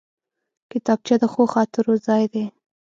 کتابچه د ښو خاطرو ځای دی